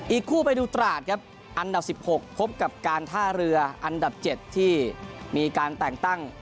อีกคู่ไปดูตราดครับอันดับ๑๖พบกับการท่าเรืออันดับ๗ที่มีการแต่งตั้ง